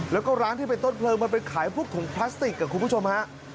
แล้วก็ร้านที่เป็นต้นเพลิงมันไปขายพวกถุงพลาสติกคุณผู้ชมฮะ